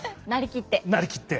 成りきって？